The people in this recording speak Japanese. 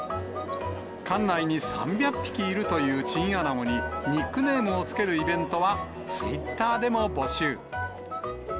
館内に３００匹いるというチンアナゴにニックネームを付けるイベントは、ツイッターでも募集。